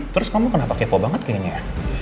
terus kamu kenapa kepo banget kayaknya